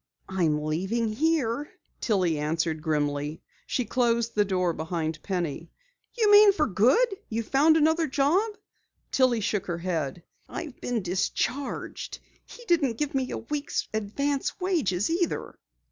"I'm leaving here," Tillie answered grimly. She closed the door behind Penny. "You mean for good? You've found another job?" Tillie shook her head. "I've been discharged. He didn't give me a week's advance wages either."